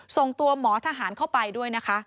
ส่งตัวหมอทหารเข้าไปด้วยนะคะ